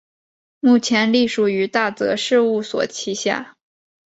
目前隶属于大泽事务所旗下。